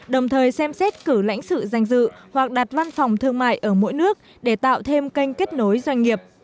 đồng thời xem xét cử lãnh sự danh dự hoặc đặt văn phòng thương mại ở mỗi nước để tạo thêm kênh kết nối doanh nghiệp